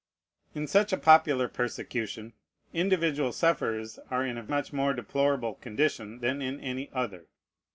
In such a popular persecution, individual sufferers are in a much more deplorable condition than in any other.